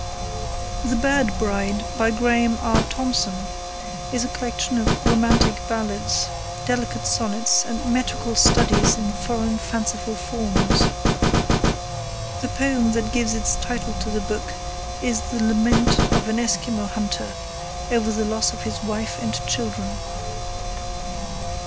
The Bird Bride, by Graham R. Tomson, is a collection of romantic ballads, delicate sonnets, and metrical studies in foreign fanciful forms. The poem that gives its title to the book is the lament of an Eskimo hunter over the loss of his wife and children.